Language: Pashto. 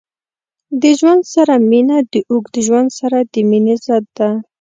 د ژوند سره مینه د اوږد ژوند سره د مینې ضد ده.